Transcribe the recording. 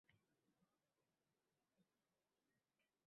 Jizzaxda ilk marta bemorga yurak elektrostimulyatori o‘rnatildi